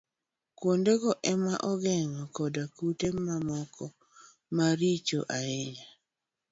Kuondego ema ong'oge kod kute mamoko maricho hinyo